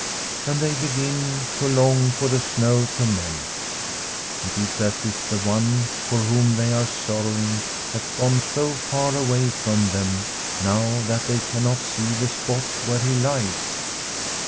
— ^and they begin to long for the snow to melt. It is as if the one for whom they are sorrowing has gone so far away from them, now that they can not see the spot where he lies.